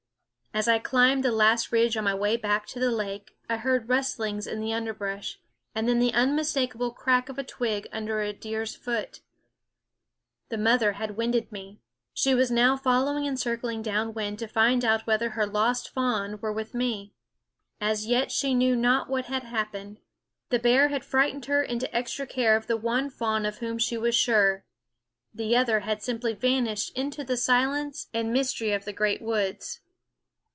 As I climbed the last ridge on my way back to the lake, I heard rustlings in the underbrush, and then the unmistakable crack of a twig under a deer's foot. The mother had winded me ; she was now following and circling down wind, to find out whether her lost fawn were with me. As yet she knew not what had happened. The bear had frightened her into extra care of the one fawn of whom she was sure. The other had simply vanished into the silence and mys tery of the great woods.